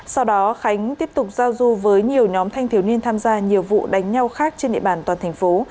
sau đó khánh tiếp tục giao du với nhiều nhóm thanh thiếu niên tham gia nhiều vụ đánh nhau khác trên địa bàn toàn thành phố